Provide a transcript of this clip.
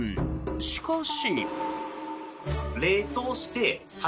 しかし。